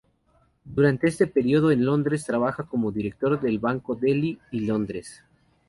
Durante este período en Londres, trabajó como director del Banco Delhi y Londres.